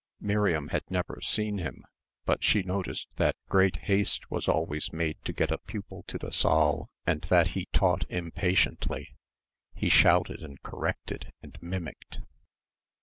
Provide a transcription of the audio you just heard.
Miriam had never seen him, but she noticed that great haste was always made to get a pupil to the saal and that he taught impatiently. He shouted and corrected and mimicked.